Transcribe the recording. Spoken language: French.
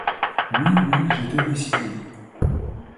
Oui, oui, j'étais décidé.